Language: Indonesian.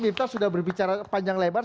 kita sudah berbicara panjang lebar